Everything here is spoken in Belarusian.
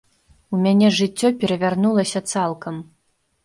У мяне жыццё перавярнулася цалкам.